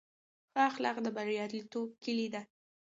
ښه اخلاق د بریالیتوب کیلي ده.